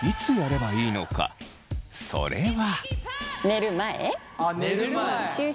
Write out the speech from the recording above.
それは。